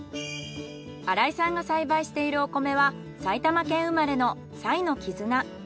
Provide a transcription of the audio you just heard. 新井さんが栽培しているお米は埼玉県生まれの彩のきずな。